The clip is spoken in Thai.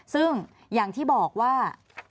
ซึ่งอย่างที่บอกว่า